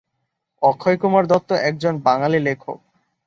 অক্ষয়কুমার দত্ত একজন বাঙালি লেখক।